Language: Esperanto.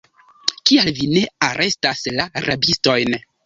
Kial vi ne arestas la rabistojn?